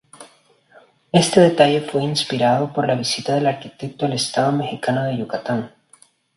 Este detalle fue inspirado por la visita del arquitecto a estado mexicano de Yucatán.